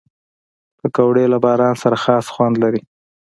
پکورې له باران سره خاص خوند لري